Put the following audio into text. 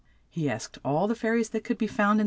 He asked all the fai ries that could be found in.